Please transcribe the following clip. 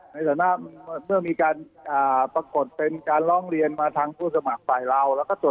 ในฐานะเมื่อมีการปรากฏเป็นการร้องเรียนมาทางผู้สมัครฝ่ายเราแล้วก็ตรวจ